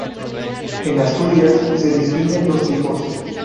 En Asturias se distinguen dos tipos.